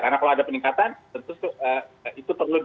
karena kalau ada peningkatan tentu itu perlu diketahui